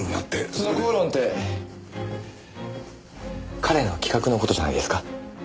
その口論って彼の企画の事じゃないですか？